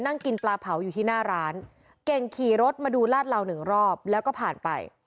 นั่งกินปลาเผาอยู่ที่หน้าร้านเก่งขี่รถมาดูลาดเหล่าหนึ่งรอบแล้วก็ผ่านไป